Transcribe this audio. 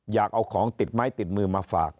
อยากเอาของติดไม้ติดมือมาฝาก